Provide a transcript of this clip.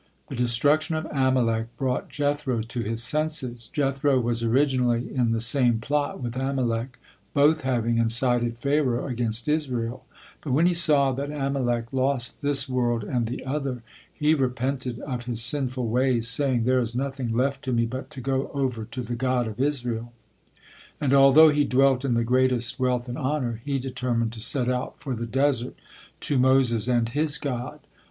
The destruction of Amalek brought Jethro to his senses. Jethro was originally in the same plot with Amalek, both having incited Pharaoh against Israel, but when he saw that Amalek lost this world and the other, he repented of his sinful ways, saying: "There is nothing left to me but to go over to the God of Israel"; and although he dwelt in the greatest wealth and honor, he determined to set out for the desert, to Moses and his God.